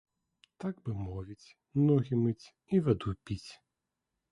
Так бы мовіць, ногі мыць і ваду піць.